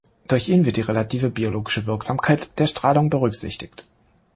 Durch ihn wird die relative biologische Wirksamkeit der Strahlung berücksichtigt.